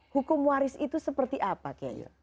hukum waris itu seperti apa keyu